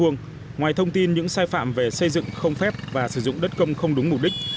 ngoài thông tin những sai phạm về xây dựng không phép và sử dụng đất công không đúng mục đích